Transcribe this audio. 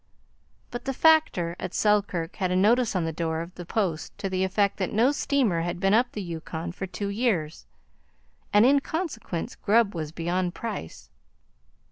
But the Factor at Selkirk had a notice on the door of the Post to the effect that no steamer had been up the Yukon for two years, and in consequence grub was beyond price.